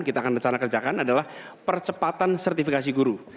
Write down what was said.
kita akan rencana kerjakan adalah percepatan sertifikasi guru